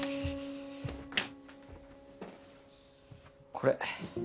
これ。